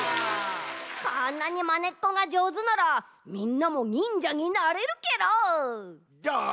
こんなにまねっこがじょうずならみんなも忍者になれるケロ！